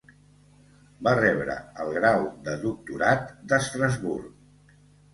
Va rebre el Grau de Doctorat d'Estrasburg.